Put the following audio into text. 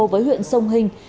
với huyện sông hình